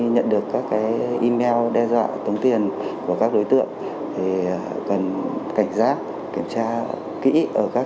nhận được các cái email đe dọa tốn tiền của các đối tượng thì cần cảnh giác kiểm tra kỹ ở các